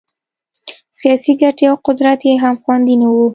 سیاسي ګټې او قدرت یې هم خوندي نه وو.